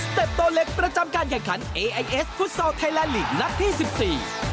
โตเล็กประจำการแข่งขันเอไอเอสฟุตซอลไทยแลนดลีกนัดที่สิบสี่